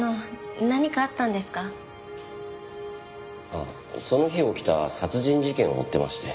ああその日起きた殺人事件を追ってまして。